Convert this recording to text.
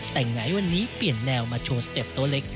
แต่ไงวันนี้เปลี่ยนแนวมาโชว์สเต็ปโต๊ะเล็ก